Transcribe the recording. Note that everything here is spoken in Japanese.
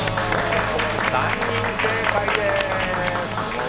３人正解です。